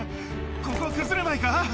ここ崩れないか？